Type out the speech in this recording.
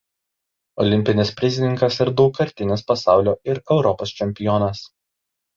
Olimpinis prizininkas ir daugkartinis pasaulio ir Europos čempionas.